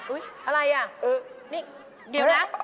อะไรอ่ะนี่เดี๋ยวนะ